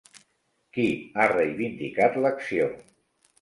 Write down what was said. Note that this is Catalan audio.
Qui ha reivindicat l'acció?